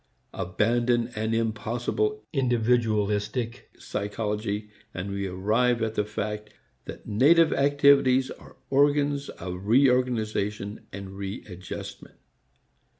Abandon an impossible individualistic psychology, and we arrive at the fact that native activities are organs of re organization and re adjustment.